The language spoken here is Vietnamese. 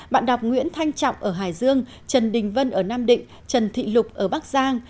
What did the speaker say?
bạn đọc nguyễn thanh trọng ở hải dương trần đình vân ở nam định trần thị lục ở bắc giang